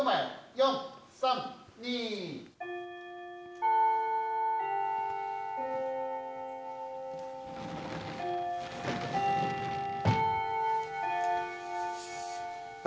４・３・２。え